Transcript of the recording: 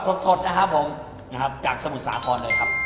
ก็สดนะครับผมนะครับจากสมุดสาธารณ์เลยครับ